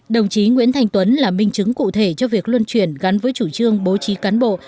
đồng chí nguyễn thanh tuấn là minh chứng cụ thể cho việc luân chuyển gắn với chủ trương bố trí cán bộ